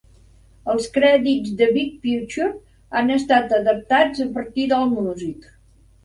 Els crèdits de "The Big Picture" han estat adaptats a partir d'Allmusic.